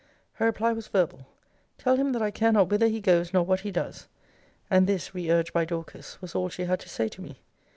Her reply was verbal, tell him that I care not whither he goes, nor what he does. And this, re urged by Dorcas, was all she had to say to me.